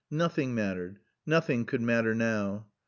Nothing mattered. Nothing could matter now.